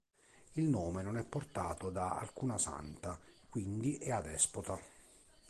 Il nome non è portato da alcuna santa, quindi è adespota.